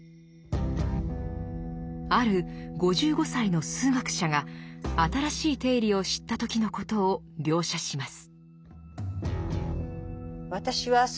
ある５５歳の数学者が新しい定理を知った時のことを描写します。